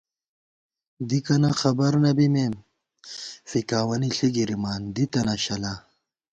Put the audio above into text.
دِکَنہ خبر نہ بِمېم ، فِکاوَنی ݪی گِرِمان، دِتَنہ شلا